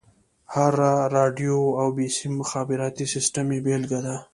هره راډيو او بيسيم مخابراتي سيسټم يې بېلګه ده.